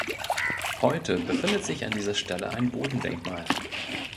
Heute befindet sich an dieser Stelle ein Bodendenkmal.